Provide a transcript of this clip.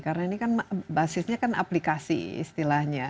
karena ini kan basisnya kan aplikasi istilahnya